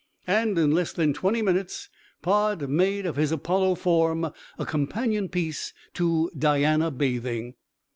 And in less than twenty minutes, Pod made of his Apollo form a companion piece to "Diana Bathing."